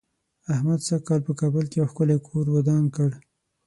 احمد سږ کال په کابل کې یو ښکلی کور ودان کړ.